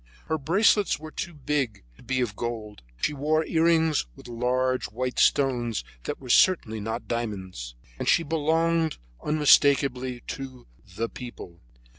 Her bracelets were too big to be of gold; she wore earrings with large white stones that were certainly not diamonds, and she belonged unmistakably to the People.